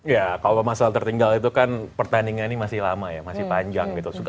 ya kalau masalah tertinggal itu kan pertandingan ini masih lama ya masih panjang gitu